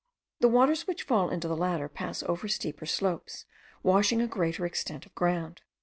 The waters which fall into the latter pass over steeper slopes, washing a greater extent of ground.